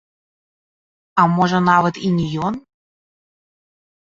А можа нават і не ён?